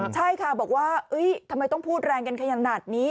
ใช่ค่ะบอกว่าทำไมต้องพูดแรงกันขนาดนี้